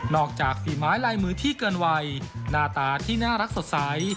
จากฝีไม้ลายมือที่เกินวัยหน้าตาที่น่ารักสดใส